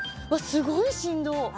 すごい振動あ